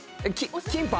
キンパ⁉